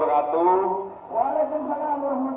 wa alaikumussalam warahmatullahi wabarakatuh